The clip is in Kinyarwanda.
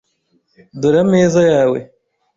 Dore ameza yawe .